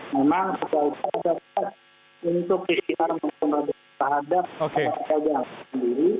memang harus terdapat untuk disihar menghadap kepada pekerjaan sendiri